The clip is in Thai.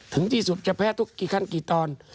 ถึงที่สุดจะแพ้ทุกกี่ขั้นกี่ตอน